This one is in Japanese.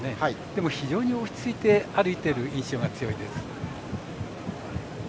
でも非常に落ち着いて歩いている印象が強いです。